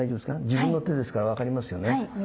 自分の手ですから分かりますよね。